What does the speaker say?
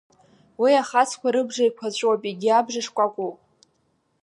Уи ахацқәа рыбжа еиқәаҵәоуп, еигьы абжа шкәакәоуп.